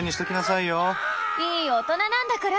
いい大人なんだから。